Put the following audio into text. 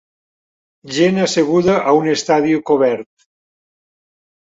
Gent asseguda a un estadi cobert.